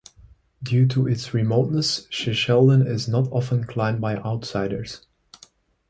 Due to its remoteness Shishaldin is not often climbed by outsiders.